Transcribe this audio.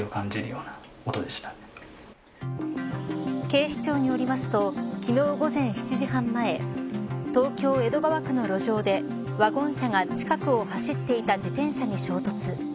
警視庁によりますと昨日午前７時半前東京、江戸川区の路上でワゴン車が近くを走っていた自転車に衝突。